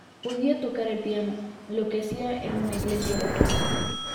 Podía tocar el piano, lo que hacía en una iglesia local.